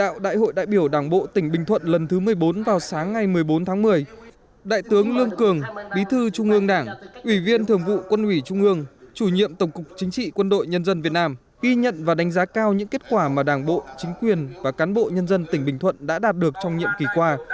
lần thứ một mươi bốn vào sáng ngày một mươi bốn tháng một mươi đại tướng lương cường bí thư trung ương đảng ủy viên thường vụ quân ủy trung ương chủ nhiệm tổng cục chính trị quân đội nhân dân việt nam ghi nhận và đánh giá cao những kết quả mà đảng bộ chính quyền và cán bộ nhân dân tỉnh bình thuận đã đạt được trong nhiệm kỳ qua